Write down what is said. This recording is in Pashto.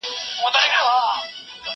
زه مخکي ليکلي پاڼي ترتيب کړي وو